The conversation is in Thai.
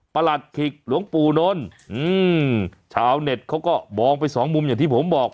หลัดขิกหลวงปู่นนท์อืมชาวเน็ตเขาก็มองไปสองมุมอย่างที่ผมบอก